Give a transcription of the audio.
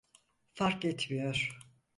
Fark etmiyor.